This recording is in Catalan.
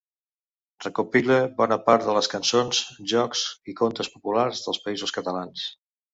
Recopile bona part de les cançons, jocs i contes populars dels Països Catalans.